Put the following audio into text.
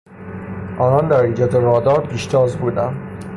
آنان در ایجاد رادار پیشتاز بودند.